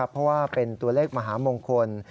เพราะว่าเป็นตัวเลขมหามงคล